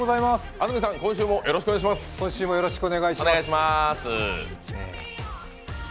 安住さん、今週もよろしくお願いします。